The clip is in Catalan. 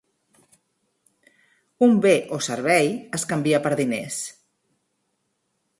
Un bé o servei es canvia per diners.